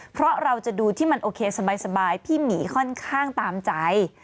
เพราะเราจะดูที่มันโอเคสบายพี่หมีค่อนข้างตามใจ